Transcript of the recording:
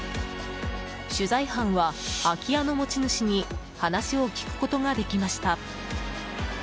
取材班は、空き家の持ち主に話を聞くことができました。